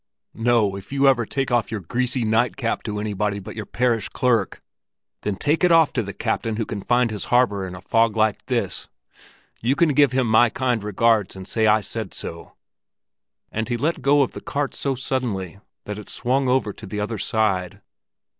No, if you ever take off your greasy night cap to anybody but your parish clerk, then take it off to the captain who can find his harbor in a fog like this. You can give him my kind regards and say I said so." And he let go of the cart so suddenly that it swung over to the other side.